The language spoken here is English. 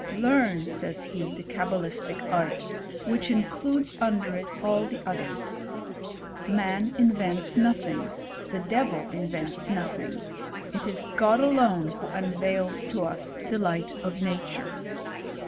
'* Learn,'' says he, '' the cabalistic art, which includes under it all the others.'* '* Man invaits nothing, the devil invents nothing ; it is God alone who unveils to us the light of nature.''